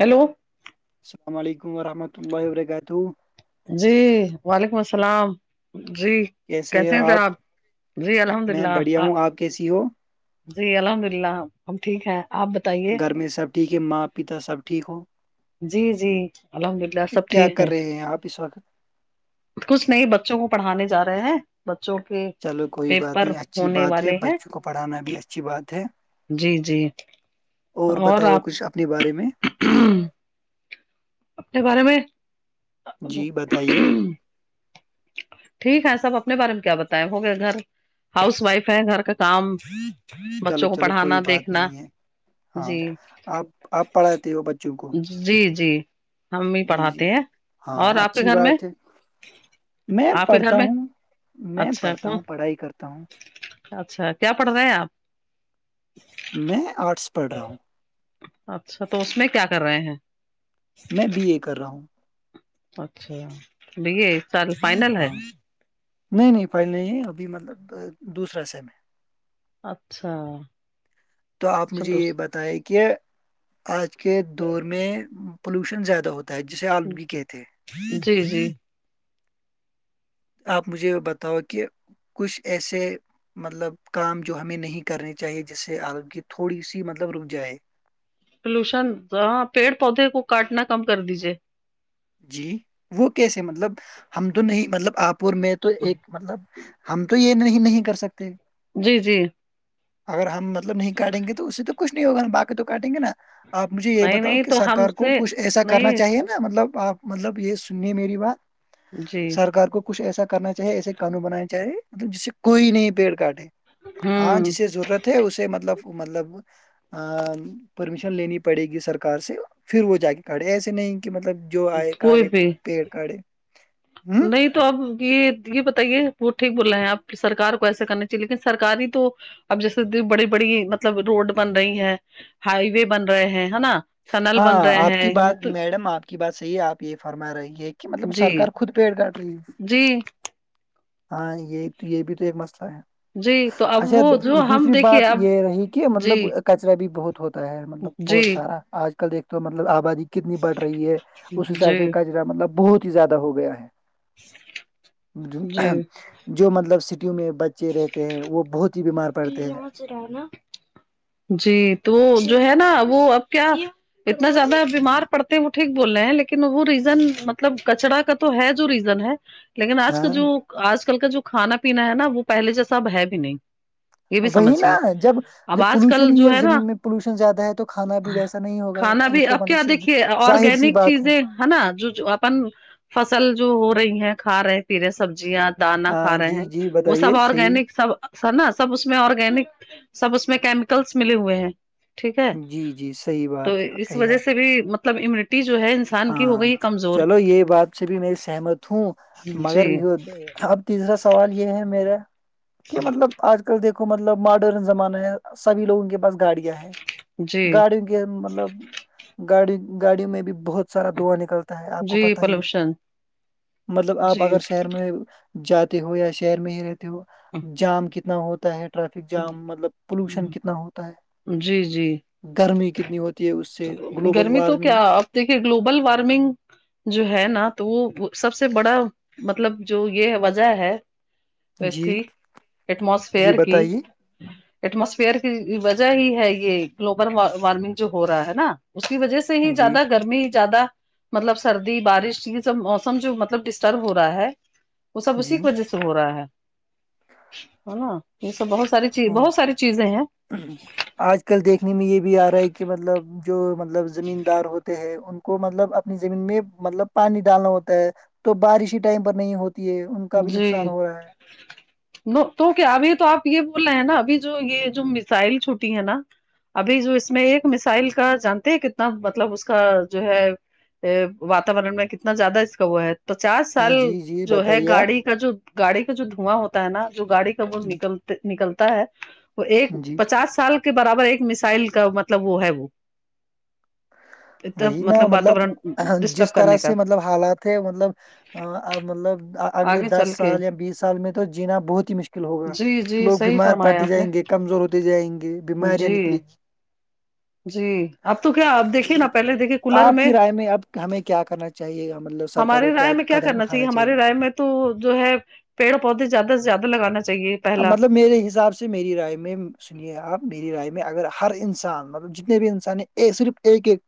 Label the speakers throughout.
Speaker 1: hello
Speaker 2: السلام علیکم ورحمۃ اللہ وبرکاتو
Speaker 1: جی وعلیکم السلام جی کیسے ہیں سر آپ جی الحمد
Speaker 2: میں
Speaker 1: للہ
Speaker 2: بڑھیا
Speaker 1: آ
Speaker 2: ہوں آپ کیسی ہو
Speaker 1: جی الحمد اللہ ہم ٹھیک ہے آپ بتائیے
Speaker 2: گھر میں سب ٹھیک ہے ماں پیتا سب ٹھیک ہو
Speaker 1: جی جی الحمد للہ سب
Speaker 2: کیا
Speaker 1: ٹھیک
Speaker 2: کر
Speaker 1: ہے
Speaker 2: رہے ہیں آپ اس وقت
Speaker 1: کچھ نہیں بچوں کو پڑھانے جا رہے ہیں بچوں کے
Speaker 2: چلو کوئی بات
Speaker 1: پیپر
Speaker 2: نہیں اچھی
Speaker 1: ہونے
Speaker 2: بات ہے
Speaker 1: والے ہیں
Speaker 2: بچوں کو پڑھانا بھی اچھی بات ہے
Speaker 1: جی جی
Speaker 2: اور بتاؤ کچھ اپنے بارے میں
Speaker 1: [unintelligible] اپنے بارے میں
Speaker 2: جی بتائیے
Speaker 1: ٹھیک ہے سب اپنے بارے میں کیا بتائے ہو گیا گھر ہاؤس وائف ہے گھر کا کام
Speaker 2: چلو
Speaker 1: بچوں کو
Speaker 2: چلو کوئی
Speaker 1: پڑھانا
Speaker 2: بات
Speaker 1: دیکھنا
Speaker 2: نہیں ہے ہاں
Speaker 1: جی
Speaker 2: آپ آپ پڑھاتے ہو بچوں کو
Speaker 1: جی جی ہم بھی
Speaker 2: جی جی
Speaker 1: پڑھاتے ہیں اور
Speaker 2: ہاں
Speaker 1: آپ کے
Speaker 2: اچھی
Speaker 1: گھر میں
Speaker 2: بات ہے میں
Speaker 1: آپ کے گھر
Speaker 2: پڑھتا
Speaker 1: میں
Speaker 2: ہوں میں
Speaker 1: اچھا
Speaker 2: پڑھتا
Speaker 1: کون
Speaker 2: ہوں پڑھائی کرتا ہوں
Speaker 1: اچھا کیا پڑھ رہے ہیں آپ
Speaker 2: میں آرٹس پڑرہا ہوں
Speaker 1: اچھا تو اس میں کیا کر رہے ہیں
Speaker 2: میں بی اے کر رہا ہوں
Speaker 1: اچھا بی اے یہ سال فائنل ہے
Speaker 2: ہاں نہیں نہیں فائل نہیں ہے ابھی مطلب دوسرا سیم ہے
Speaker 1: اچھا
Speaker 2: تو آپ مجھے یہ
Speaker 1: دوسری
Speaker 2: بتائیں کہ آج کے دور میں پولوشن زیادہ ہوتا جسے آلودگی کہتے ہیں
Speaker 1: جی جی
Speaker 2: آپ مجھے بتاؤ کہ کچھ ایسے مطلب کام جو ہمیں نہیں کرنے چاہیے جس سے آلودگی تھوڑی سی مطلب رک جائے
Speaker 1: پلوشن ہاں پیڑ پودے کو کاٹنا کم کر دیجیے
Speaker 2: جی وہ کیسے مطلب ہم تو نہیں مطلب آپ اور میں تو ایک مطلب ہم تو یہ نہیں نہیں کر سکتے
Speaker 1: جی جی
Speaker 2: اگر ہم مطلب نہیں کاٹیں گے تو اس سے تو کچھ نہیں ہوگا ہم باقی تو کاٹیں گے نا آپ مجھے یہ
Speaker 1: نہیں
Speaker 2: بتاؤ
Speaker 1: نہیں
Speaker 2: کہ
Speaker 1: تو ہم
Speaker 2: سرکار کو
Speaker 1: سے
Speaker 2: کچھ ایسا کرنا
Speaker 1: نہیں
Speaker 2: چاہیے مطلب آپ مطلب یہ سنیے میری
Speaker 1: جی
Speaker 2: بات سرکار کو کچھ ایسا کرنا چاہے ایسے قانون بنانے چاہے مطلب جس سے کوئی نہیں پیڑ کاٹے ہاں
Speaker 1: ہوں
Speaker 2: جسے ضرورت ہے اسے مطلب مطلب پرمیشن لینی پڑے گی سرکار سے پھر وہ جا کے کاڑے ایسے نہیں کہ مطلب جو آئے
Speaker 1: کوئی
Speaker 2: کاڑھے
Speaker 1: بھی
Speaker 2: پیڑ کاڑھے
Speaker 1: نہیں تو اب یہ یہ بتائیے ٹھیک بول رہے ہیں آپ سرار کو ایسا کرنا چاہیے لیکن سرکاری تو اب جیسے بڑی بڑی مطلب روڈ بن رہی ہے ہائی وے بن رہے ہیں ہے نا ٹنل بن رہے
Speaker 2: ہاں آپ کی
Speaker 1: ہیں یہ
Speaker 2: بات
Speaker 1: تو
Speaker 2: میڈم آپ کی بات صحیح ہے آپ یہ فرما رہی ہے کہ مطلب
Speaker 1: جی
Speaker 2: سرکار خود پیٹ کاٹ رہی ہے
Speaker 1: جی
Speaker 2: ہاں یہ تو یہ بھی تو ایک مسئلہ ہے
Speaker 1: جی تو اب
Speaker 2: اچھا
Speaker 1: وہ جو ہم
Speaker 2: دوسری
Speaker 1: دیکھیے
Speaker 2: بات
Speaker 1: اب
Speaker 2: یہ رہی کہ
Speaker 1: جی
Speaker 2: مطلب کچرا بھی بہت ہوتا ہے مطلب
Speaker 1: جی
Speaker 2: بہت سارا آج کل دیکتے مطلب آبادی کتنی بڑھ رہی ہے اس حساب
Speaker 1: جی
Speaker 2: سے کچرا مطلب بہت ہی زیادہ ہو گیا ہے
Speaker 1: جی
Speaker 2: جو مطلب سٹیوں میں بچے رہتے ہیں وہ بہت جی بیمار پڑتے ہیں
Speaker 1: جی تو جو ہے نا وہ اب کیا اتنا زیادہ بیمار پڑتے وہ ٹھیک بول رہے ہیں لیکن وہ ریزن مطلب کچرا کا تو ہے جو ریزن ہے لیکن آج کا
Speaker 2: ہاں
Speaker 1: جو آج کل کا جو کھانا پینا ہے نا وہ پہلے جیسا اب ہے بھی نہیں یہ بھی
Speaker 2: وہی نا
Speaker 1: سمجھیے
Speaker 2: جب
Speaker 1: اب
Speaker 2: جب
Speaker 1: آج کل
Speaker 2: پولوشن ہی
Speaker 1: جو ہے نا
Speaker 2: زمین میں پولوشن زیادہ ہے تو کھانا بھی ویسا نہیں ہوگا
Speaker 1: کھانا
Speaker 2: یہ
Speaker 1: بھی
Speaker 2: تو
Speaker 1: اب کیا
Speaker 2: مطلب
Speaker 1: دیکھیے
Speaker 2: ظاہر سی
Speaker 1: آرگینک
Speaker 2: بات
Speaker 1: چیزیں ہے نا جو اپن فصل جو ہو رہی ہے کھا رہے پی رہے سبزیاں دانا کھا
Speaker 2: ہاں
Speaker 1: رہے ہیں
Speaker 2: جی جی
Speaker 1: وہ سب
Speaker 2: بتائیے صحیح
Speaker 1: آرگینک سب سر نا سب اس میں آرگینک سب اس میں کیمیکلس ملے ہوئے ہیں ٹھیک ہے
Speaker 2: جی جی صحیح
Speaker 1: تو
Speaker 2: بات
Speaker 1: اس
Speaker 2: کہیے آپ
Speaker 1: وجہ سے بھی مطلب امیونٹی جو ہے انسان کی ہو
Speaker 2: ہاں
Speaker 1: گئی کمزور
Speaker 2: چلو یہ بات سے بھی میری سہمت ہوں
Speaker 1: جی
Speaker 2: مگر یہ اب تیسرا سوال یہ ہے میرا کہ مطلب آج کل دیکھو مطلب ماڈرن زمانہ ہے سبھی لوگوں کے پاس گاڑیاں ہیں
Speaker 1: جی
Speaker 2: گاڑیوں کے مطلب گاڑی گاڑیوں میں بھی بہت سارا دواں نکلتا ہے آپ کو
Speaker 1: جی
Speaker 2: پتا ہی
Speaker 1: پولوشن
Speaker 2: مطلب آپ
Speaker 1: جی
Speaker 2: اگر شہر میں جاتے ہو یا شہر میں ہی رہتے ہو جام کتنا ہوتا ہے ٹریفک جام مطلب پولوشن کتنا ہوتا ہے
Speaker 1: جی جی
Speaker 2: گرمی کتنی ہوتی مط تی ہے اس سے گلوبل
Speaker 1: گرمی تو کیا
Speaker 2: وارمنگ
Speaker 1: آپ دیکھیے گلوبل وارمنگ جو ہے نا تو وہ سب سے بڑا مطلب جو یہ وجہ ہے تو اس
Speaker 2: جی
Speaker 1: کی
Speaker 2: جی
Speaker 1: ایٹموسفیئر کی
Speaker 2: بتائیے
Speaker 1: ایٹموسفیئر کی وجہ ہی ہے یہ گلوبل وارمنگ جو ہو رہا ہے نا اس کی وجہ سے ہی
Speaker 2: جی
Speaker 1: زیادہ گرمی زیادہ مطلب سردی بارش یہ سب موسم جو مطلب ڈسٹرب ہو رہا ہے وہ سب اسی
Speaker 2: جی
Speaker 1: کی وجہ سے ہو رہا ہے ہے نا یہ سب بہت ساری چیز
Speaker 2: ہاں
Speaker 1: بہت ساری چیزیں ہیں
Speaker 2: آج کل دیکھنے میں یہ بھی آ رہا ہے کہ مطلب جو مطلب لب زمین دار ہوتے ہیں ان کو مطلب اپنی زمین میں مطلب پانی ڈالنا ہوتا ہے تو بارش ہی ٹائم پر نہیں ہوتی ہے ان کا بھی
Speaker 1: جی
Speaker 2: نقصان ہو رہا ہے
Speaker 1: ن تو کیا ابھی تو آپ یہ بول رہے ہیں نا ابھی جو یہ جو میسائل چھوٹی ہے نا ابھی جو اس میں ایک مسائل کا جانتے ہیں کتنا مطلب اس کا جو ہے ا واتورن میں کتنا زیادہ اس کا وہ ہے پچاس
Speaker 2: ہاں
Speaker 1: سال
Speaker 2: جی جی
Speaker 1: جو ہے
Speaker 2: بتائیے آپ
Speaker 1: گاڑی کا جو گاڑی کا جو دھواں ہوتا ہے نا جو گاڑی کا وہ
Speaker 2: جی
Speaker 1: نکلتے نکلتا ہے وہ ایک
Speaker 2: جی
Speaker 1: پچاس سال کے برابر ایک مسائل کا مطلب وہ ہے وہ
Speaker 2: وہی نا مطلب
Speaker 1: واتاورن ڈسٹرب
Speaker 2: جس طرح
Speaker 1: کرنے کا
Speaker 2: سے مطلب حالات ہے مطلب مطلب اگلے
Speaker 1: آگے
Speaker 2: دس
Speaker 1: چل کے
Speaker 2: سال یا بیس سال میں تو جینا بہت ہی مشکل ہوگا
Speaker 1: جی جی
Speaker 2: لوگ
Speaker 1: صحیح
Speaker 2: بیمار
Speaker 1: فرمایا
Speaker 2: پڑتے
Speaker 1: آپ نے
Speaker 2: جائیں گے کمزور ہوتے جائیں گے بیماریاں
Speaker 1: جی
Speaker 2: نکلیں گی
Speaker 1: جی اب تو کیا آپ دیکھیے
Speaker 2: گی
Speaker 1: نا پہلے دیکھے
Speaker 2: آپ کی رائے میں اب ہمیں کیا کرنا چاہیے مطلب سرکار
Speaker 1: ہمارے
Speaker 2: کو
Speaker 1: رائے
Speaker 2: کیا
Speaker 1: میں
Speaker 2: قدم
Speaker 1: کرنا
Speaker 2: اٹھانا
Speaker 1: ہمارے
Speaker 2: چاہیے
Speaker 1: رائے میں تو جو ہے پیڑ پودے زیادہ سے زیادہ لگانا چاہیے پہلا
Speaker 2: مطلب میرے حساب سے میری رائے میں آپ میری رائے میں اگر ہر انسان مطلب جتنے بھی انسان ہیں صرف ایک ایک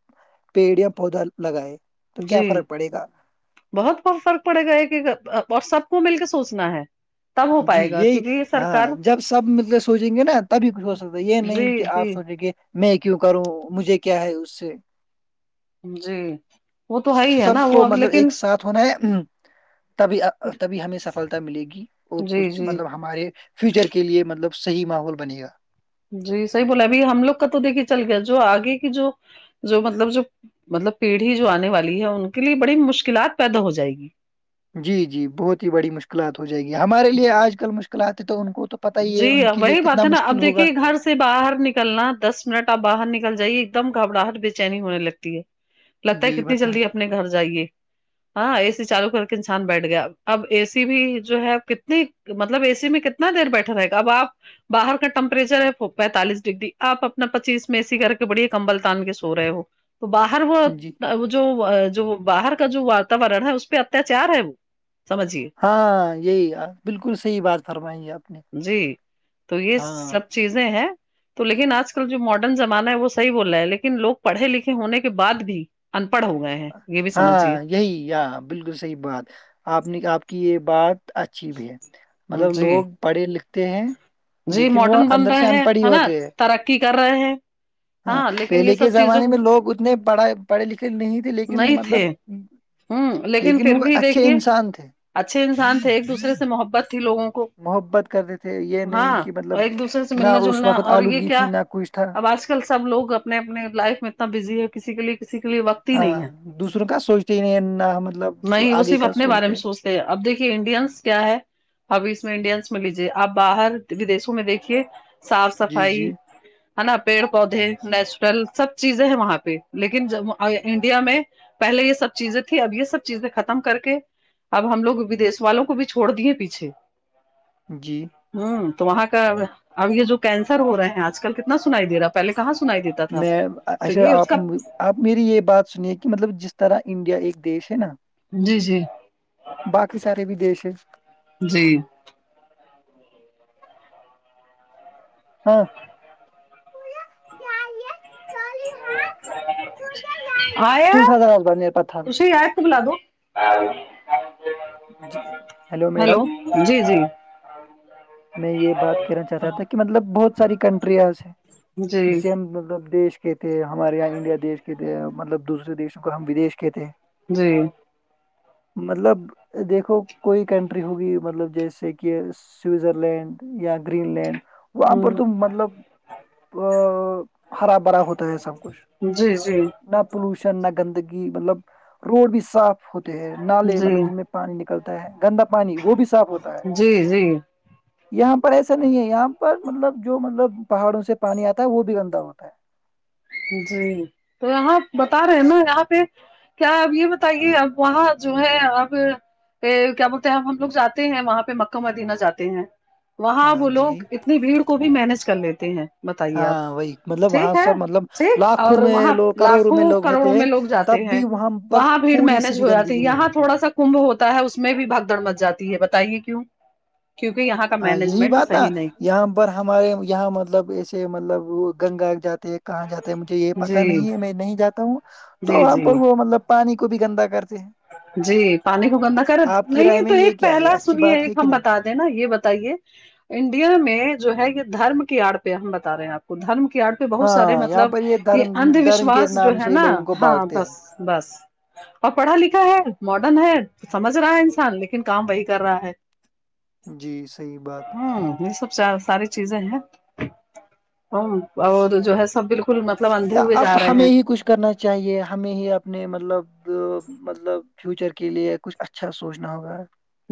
Speaker 2: پیڑ یا پودا لگائے تو کیا
Speaker 1: جی
Speaker 2: فرق پڑے گا
Speaker 1: بہت بہت فرق پڑے گا کہ اور سب کو مل کے سوچنا ہے تب ہو
Speaker 2: جی
Speaker 1: پائے گا
Speaker 2: یہی
Speaker 1: کیونکہ یہ
Speaker 2: ہاں
Speaker 1: سرکار
Speaker 2: جب سب مطلب سوچیں گے نا تبھی کچھ ہو سکتا یہ نہیں
Speaker 1: جی
Speaker 2: کہ آپ
Speaker 1: جی
Speaker 2: سوچیں گے میں کیوں کروں مجھے کیا ہے اس سے
Speaker 1: جی وہ تو ہے ہی ہے نا
Speaker 2: سب
Speaker 1: وہ
Speaker 2: کو
Speaker 1: اب
Speaker 2: مطلب
Speaker 1: لیکن
Speaker 2: ایک ساتھ ہونا ہے ہم تبھی تبھی ہمیں سفلتا ملے گی اور
Speaker 1: جی
Speaker 2: کچھ
Speaker 1: جی
Speaker 2: مطلب ہمارے فیوچر کے لیے مطلب صحیح ماحول بنے گا
Speaker 1: جی صحیح بولا ابھی ہم لوگ کا تو دیکھئے چل گیا جو آگے کی جو جو مطلب جو مطلب پیڑھی جو آنے والی ہے ان کے لیے بڑی مشکلات پیدا ہو جائے گی
Speaker 2: جی جی بہت ہی بڑی مشکلات ہو جائے گی ہمارے لیے آج کل مشکلات ہے تو ان کو تو پتہ ہی
Speaker 1: جی
Speaker 2: ہے ان کے لیے
Speaker 1: وہی بات
Speaker 2: کتنا
Speaker 1: ہے نا
Speaker 2: مشکل
Speaker 1: اب
Speaker 2: ہوگا
Speaker 1: دیکھیے گھر سے سے باہر نکلنا دس منٹ آپ باہر نکل جائیے ایک دم گھبراہٹ بے چینی ہونے لگتی ہے لگتا ہے
Speaker 2: جی
Speaker 1: کتنی
Speaker 2: بتا
Speaker 1: جلدی اپنے گھر جائیے ہاں اے سی چالو کر کے انسان بیٹھ گیا اب اے سی بھی جو ہے کتنی مطلب اے سی میں کتنا دیر بیٹھا رہے گا اب آپ باہر کا ٹمپریچر ہے پینتالیس ڈگری آپ اپنا پچیس میں اے اسی آن کر کے بڑی کمبل تان کے سو رہے ہو تو باہر وہ
Speaker 2: جی
Speaker 1: وہ جو وہ جو باہر کا جو وااتورن ہے اس پہ اتیاچار ہے وہ سمجھیے
Speaker 2: ہاں یہی بالکل صحیح بات فرمائییںے آپ نے
Speaker 1: جی تو یہ
Speaker 2: ہاں
Speaker 1: سب چیزیں ہیں تو لیکن آج کل جو ماڈرن زمانہ ہے وہ صحیح بول رہا ہے لیکن لوگ پڑھے لکھے ہونے کے بعد بھی ان پڑھ ہو گئے ہیں یہ بھی
Speaker 2: ہاں
Speaker 1: سمجھیے
Speaker 2: یہی یا بالکل صحیح بات آپ نے آپ کی یہ بات اچھی بھی ہے مطلب
Speaker 1: جی
Speaker 2: لوگ پڑھے لکھتے ہیں
Speaker 1: جی
Speaker 2: لیکن وہ
Speaker 1: ماڈرن بن
Speaker 2: اندر
Speaker 1: رہے
Speaker 2: سے ان
Speaker 1: ہیں
Speaker 2: پڑھ ہی
Speaker 1: ہے نا
Speaker 2: ہوتے ہیں
Speaker 1: ترقی کر رہے ہیں
Speaker 2: ہاں
Speaker 1: لیکن یہ
Speaker 2: پہلے کے
Speaker 1: سب چیزوں
Speaker 2: زمانے میں لوگ اتنے پڑھ پڑھے لکھے نہیں تھے لیکن
Speaker 1: نہیں
Speaker 2: مطلب
Speaker 1: تھے ہوں لیکن پھر
Speaker 2: وہ
Speaker 1: بھی
Speaker 2: اچھے
Speaker 1: دیکھیے
Speaker 2: انسان تھے
Speaker 1: اچھے انسان تھے ایک دوسرے سے محبت تھی لوگوں کو
Speaker 2: محبت کرتے تھے یہ نہیں
Speaker 1: ہاں
Speaker 2: کہ مطلب
Speaker 1: اور ایک دوسرے سے
Speaker 2: نہ
Speaker 1: ملنا
Speaker 2: اس
Speaker 1: جلنا
Speaker 2: وقت
Speaker 1: اور یہ
Speaker 2: آلودگی تھی
Speaker 1: کیا
Speaker 2: نہ کچھ تھا
Speaker 1: اب آج کل سب لوگ اپنے اپنے لائف میں اتنا بزی ہے کسی کے لیے کسی کے لیے وقت ہی
Speaker 2: ہاں
Speaker 1: نہیں ہے
Speaker 2: دوسروں کا سوچتے ہی نہیں نہ مطلب
Speaker 1: میں وہ
Speaker 2: آگے
Speaker 1: صرف
Speaker 2: کا
Speaker 1: اپنے بارے میں
Speaker 2: سوچتے
Speaker 1: سوچتا اب دیکھیے انڈینس کیا ہے اب اس میں انڈینس میں لیجیے آپ باہر ودیشوں میں دیکھیے صاف
Speaker 2: جی
Speaker 1: صفائی
Speaker 2: جی
Speaker 1: ہے نا پیڑ پودے نیچرل سب چیزیں ہیں وہاں پہ لیکن جب انڈیا میں پہلے یہ سب چیزیں تھی اب یہ سب چیزیں ختم کر کے اب ہم لوگ ودیش والوں کو بھی چھوڑ دیے پیچھے
Speaker 2: جی
Speaker 1: ہوں تو وہاں کا اب یہ جو کینسر ہو رہے ہیں آج کل کتنا سنائی دے رہا پہلے کہاں سنائی دیتا تھا
Speaker 2: میں
Speaker 1: تو
Speaker 2: اچھا
Speaker 1: یہ اس
Speaker 2: آپ
Speaker 1: کا
Speaker 2: آپ میری یہ بات سنیے کہ مطلب جس طرح انڈیا ایک دیش ہے نا
Speaker 1: جی جی
Speaker 2: باقی سارے بھی دیش
Speaker 1: جی
Speaker 2: ہاں
Speaker 1: آیات دوسری آیت کو بلا دو [unintelligible]
Speaker 2: جی ہیلو میڈم
Speaker 1: جی جی
Speaker 2: میں یہ بات کہنا چاہتا تھا کہ مطلب بہت ساری کنٹریا ہیں ایسی
Speaker 1: جی
Speaker 2: جسے ہم مطلب دیش کہتےے ہمارے یہاں انڈیا دیش کے تھے مطلب دوسرے دیشوں کو ہم ودیش کہتے ہیں
Speaker 1: جی
Speaker 2: مطلب دیکھہو کوئی کنٹری ہویوںں مطلب جیسے کہ سوئزر لینڈ یا گرین لینڈ وہاں پر
Speaker 1: ہ
Speaker 2: تو مطلب ا ہرا بھرا ہوتا ہے سب کچھ
Speaker 1: جی جی
Speaker 2: نہ پولوشن نہ گندگی مطلب روڈ بھی صاف ہوتے ہیں نالے
Speaker 1: جی
Speaker 2: مطلب جن میں پانی نکلتا ہے گندا پانی وہ بھی صاف ہوتا ہے
Speaker 1: جی جی
Speaker 2: یہاں پر ایسا نہیں ہے یہاں پر مطلب جو مطلب پہاڑوں سے پانی آتا ہے وہ بھی گندہ ہوتا ہے
Speaker 1: جی تو یہاں بتا رہے نا یہاں پہ کیا اب یہ بتائیے اب وہاں جو ہے اب پ کیا بولتے ہیں ہم لوگ جاتے ہیں وہاں پہ مکہ مدینہ جاتے ہیں
Speaker 2: ہے
Speaker 1: وہاں
Speaker 2: ہاں
Speaker 1: وہ لوگ
Speaker 2: جی
Speaker 1: اتنی بھیڑ کو بھی مینج کر لیتے ہیں بتائیے آپ
Speaker 2: ہاں وہی مطلب
Speaker 1: ٹھیک
Speaker 2: وہاں
Speaker 1: ہے
Speaker 2: سر مطلب
Speaker 1: ٹھیک
Speaker 2: لاکھوں
Speaker 1: اور
Speaker 2: میں
Speaker 1: وہاں
Speaker 2: لوگ کروڑوں
Speaker 1: لاکھوں
Speaker 2: میں لوگ
Speaker 1: کروڑوں
Speaker 2: ہوتے ہیں
Speaker 1: میں لوگ جاتے
Speaker 2: تب
Speaker 1: ہیں
Speaker 2: بھی پر
Speaker 1: وہاں بھیڑ
Speaker 2: تھوڑی سی
Speaker 1: مینج
Speaker 2: بھی
Speaker 1: ہو
Speaker 2: گندگی
Speaker 1: جاتی
Speaker 2: نہیں
Speaker 1: یہاں
Speaker 2: ہوتی
Speaker 1: تھوڑا سا کمبھ ہوتا ہے اس میں بھی بھگ دوڑ مچ جاتی ہے بتائیے کیوں کیونکہ یہاں کا
Speaker 2: ہاں یہی
Speaker 1: مینجمنٹ
Speaker 2: بات نا
Speaker 1: صحیح نہیں
Speaker 2: یہاں پر ہمارے یہاں مطلب ایسے مطلب گنگا جاتے ہیں کہاں جاتا ہے مجھے یہ پتا
Speaker 1: جی
Speaker 2: نہیں ہے میں نہیں جاتا ہوں تو
Speaker 1: جی
Speaker 2: اب
Speaker 1: جی
Speaker 2: وہ مطلب پانی کو بھی گندا کرتے ہیں
Speaker 1: جی پانی کو گندا کر
Speaker 2: آپ کی رائے
Speaker 1: نہیں
Speaker 2: میں
Speaker 1: تو
Speaker 2: یہ
Speaker 1: ایک
Speaker 2: کیا ہے
Speaker 1: پہلا
Speaker 2: اچھی
Speaker 1: سنیے
Speaker 2: بات ہے
Speaker 1: ایک
Speaker 2: کہ
Speaker 1: ہم
Speaker 2: نہیں
Speaker 1: بتا ہیں نا یہ بتائیے انڈیا میں جو ہے یہ دھرم کی آڑ پہ ہم بتا رہے ہیں آپ کو دھرم کی آڑ پہ پہ بہت سارے
Speaker 2: ہاں یہاں
Speaker 1: مطلب
Speaker 2: پر
Speaker 1: یہ
Speaker 2: دھرم
Speaker 1: اند
Speaker 2: دھرم کے
Speaker 1: وشواس جو
Speaker 2: نام
Speaker 1: ہے
Speaker 2: سے
Speaker 1: نا
Speaker 2: لوگوں کو
Speaker 1: ہاں
Speaker 2: بانٹتے
Speaker 1: بس بس اور پڑھا لکھ ہا ہے ماڈرن ہے سمجھ رہا ہے انسان لیکن کام وہی کر رہا ہے
Speaker 2: ہیں جی صحیح بات
Speaker 1: ہاں یہ سب چ ساری چیزیں ہیں اور جو ہے سب بالکل مطلب اندھے
Speaker 2: یا
Speaker 1: ہوئے
Speaker 2: اب
Speaker 1: جا رہے
Speaker 2: ہمیں
Speaker 1: ہیں
Speaker 2: ہی کچھ کرنا چاہیے ہمیں ہی اپنے مطلب مطلب فیوچر کے لیے کچھ اچھا سوچنا ہوگا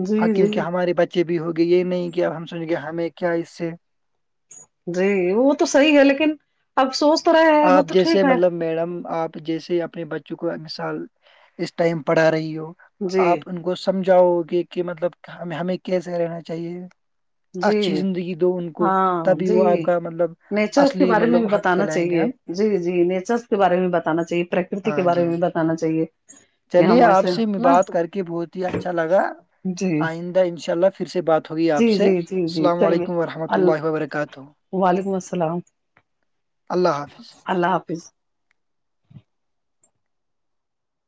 Speaker 1: جی
Speaker 2: ہاں کیونکہ
Speaker 1: جی
Speaker 2: ہمارے بچے بھی ہوگے یہ نہیں کہ اب ہم سونچنگے ہمیں کیا اس سے
Speaker 1: جی وہ تو صحیح ہے لیکن افسوس
Speaker 2: آپ جیسے مطلب میڈم آپ جیسے اپنے بچوں کو مثال اس ٹائم پڑھا رہی ہو
Speaker 1: جی
Speaker 2: آپ ان کو سمجھاؤ گے کہ مطلب ہم ہمیں کیسے رہنا چاہیے اچھی
Speaker 1: جی
Speaker 2: زندگی دو ان کو
Speaker 1: ہاں
Speaker 2: تبھی
Speaker 1: جی
Speaker 2: وہ آپ کا مطلب
Speaker 1: نیچرس کے
Speaker 2: اصلی
Speaker 1: بارے میں
Speaker 2: مطلب
Speaker 1: بھی
Speaker 2: حق
Speaker 1: بتانا
Speaker 2: کہلائیں گے
Speaker 1: چاہیے
Speaker 2: ہم
Speaker 1: جی جی نیچر کے بارے میں بتانا چاہیے پرکرتی کے
Speaker 2: ہاں جی
Speaker 1: بارے میں
Speaker 2: جی
Speaker 1: بتانا چاہیے کہ
Speaker 2: چلیے
Speaker 1: ہم
Speaker 2: آپ
Speaker 1: ایسے
Speaker 2: سے
Speaker 1: نا
Speaker 2: بات کر کے بہت ہی اچھا لگا
Speaker 1: جی
Speaker 2: آئندہ ان شاء اللہ پھر سے بات ہوگی
Speaker 1: جی
Speaker 2: آپ سے
Speaker 1: جی جی جی
Speaker 2: السلام
Speaker 1: چلیے
Speaker 2: علیکم ورحمۃ وبرکاتہ
Speaker 1: اللہ وعلیکم السلام
Speaker 2: اللہ حافظ
Speaker 1: اللہ حافظ